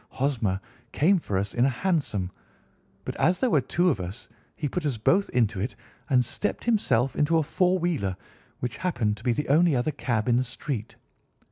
Hosmer came for us in a hansom, but as there were two of us he put us both into it and stepped himself into a four wheeler, which happened to be the only other cab in the street.